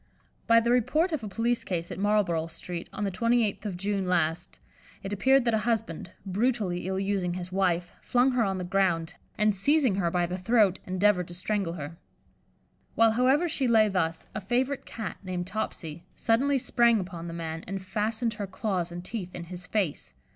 By the report of a police case at Marlborough Street, on the 28th of June last, it appeared that a husband, brutally ill using his wife, flung her on the ground, and seizing her by the throat, endeavoured to strangle her. While, however, she lay thus, a favourite Cat, named "Topsy," suddenly sprang upon the man, and fastened her claws and teeth in his face.